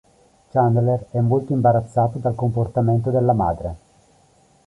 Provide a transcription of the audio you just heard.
Chandler è molto imbarazzato dal comportamento della madre.